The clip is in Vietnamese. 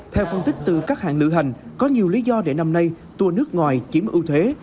theo phân tích từ các hãng lựa hành có nhiều lý do để năm nay tour nước ngoài chiếm ưu thế